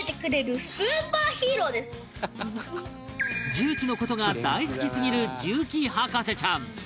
重機の事が大好きすぎる重機博士ちゃん